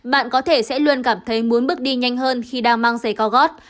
bạn có thể sẽ luôn cảm thấy muốn bước đi nhanh hơn khi đang mang giày cao gót